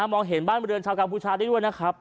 มองเห็นบ้านบริเวณชาวกัมพูชาได้ด้วยนะครับ